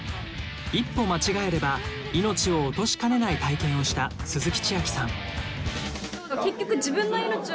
一歩間違えれば命を落としかねない体験をした鈴木千秋さん。